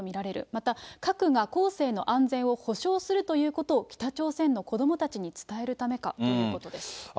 また、核が後世の安全を保障するということを北朝鮮の子どもたちに伝えるためかということです。